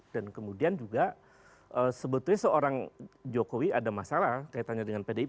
dan kemudian juga sebetulnya seorang jokowi ada masalah kaitannya dengan pdip